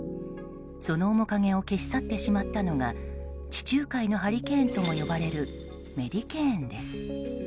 その面影を消し去ってしまったのが地中海のハリケーンとも呼ばれるメディケーンです。